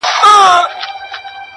ورته ور چي وړې په لپو کي گورگورې,